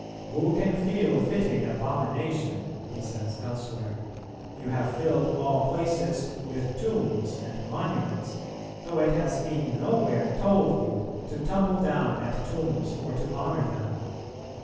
"Who can feel fitting abomination?" he says elsewhere; "you have filled all places with tombs and monuments, though it has been nowhere told you to tumble down at tombs or to honour them.